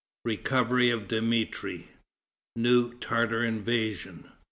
Recovery of Dmitri. New Tartar invasion.